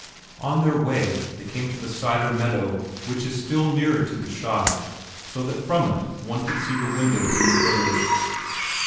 On their way, they came to the Sider meadow which is still nearer to Gschaid so that from it one could see the windows in the village.